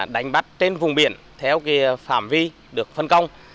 đánh bắt trên vùng biển theo phạm vi được phân công